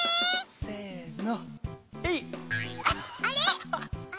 せの。